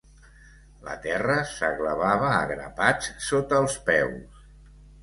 La terra s'aglevava a grapats sota els peus.